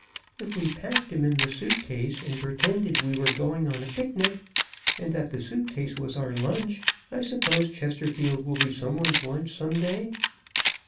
"If we packed him in the suit case and pretended we were going on a picnic and that the suit case was our lunch I suppose Chesterfield will be some one's lunch some day?"